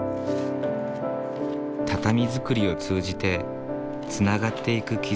畳作りを通じてつながっていく絆。